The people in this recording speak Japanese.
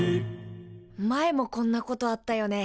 前もこんなことあったよね。